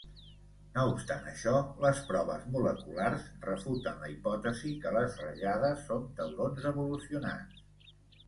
No obstant això, les proves moleculars refuten la hipòtesi que les rajades són taurons evolucionats.